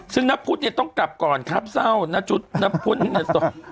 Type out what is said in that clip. ซึ่งนัพพุทธเนี่ยต้องกลับก่อนครับเศร้านัพพุทธนัพพุทธนัพพุทธ